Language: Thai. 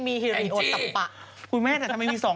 ทำไมแบบมี๒เตียง